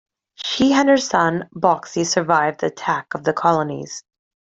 She and her son, Boxey, survived the attack on the colonies.